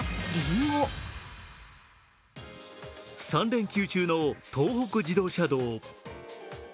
３連休中の東北自動車道。